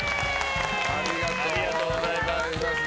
ありがとうございます。